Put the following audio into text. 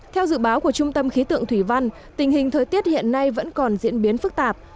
theo dự báo của trung tâm khí tượng thủy văn tình hình thời tiết hiện nay vẫn còn diễn biến phức tạp